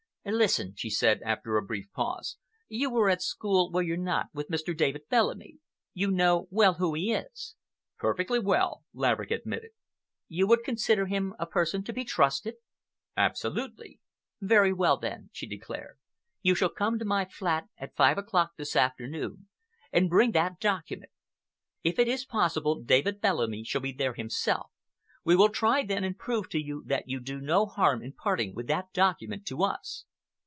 "Listen," she said, after a brief pause. "You were at school, were you not, with Mr. David Bellamy? You know well who he is?" "Perfectly well," Laverick admitted. "You would consider him a person to be trusted?" "Absolutely." "Very well, then," she declared. "You shall come to my fiat at five o'clock this afternoon and bring that document. If it is possible, David Bellamy shall be there himself. We will try then and prove to you that you do no harm in parting with that document to us."